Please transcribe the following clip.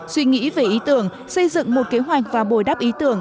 suy nghĩ về ý tưởng xây dựng một kế hoạch và bồi đáp ý tưởng